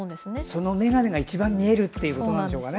その眼鏡が一番見えるということなんでしょうね。